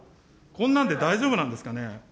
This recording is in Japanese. こんなんで大丈夫なんですかね。